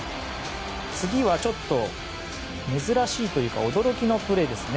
次はちょっと珍しいというか驚きのプレーです。